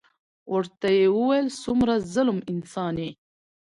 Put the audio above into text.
ورته يې وويل څومره ظلم انسان يې.